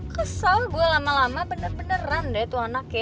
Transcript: kesel gue lama lama bener beneran deh tuh anak ya